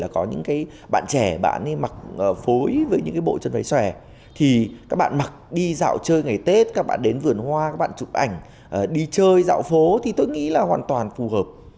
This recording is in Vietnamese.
có những cái bạn trẻ bạn mặc phối với những cái bộ chân váy xòe thì các bạn mặc đi dạo chơi ngày tết các bạn đến vườn hoa các bạn chụp ảnh đi chơi dạo phố thì tôi nghĩ là hoàn toàn phù hợp